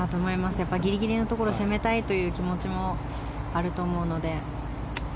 ギリギリのところを攻めたいという気持ちもあると思うので。